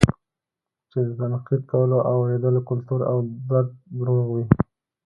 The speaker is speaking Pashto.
چې د تنقيد کولو او اورېدلو کلتور او دود روغ وي